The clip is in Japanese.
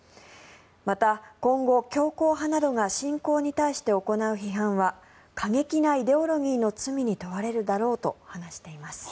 また、今後、強硬派などが侵攻に対して行う批判は過激なイデオロギーの罪に問われるだろうと話しています。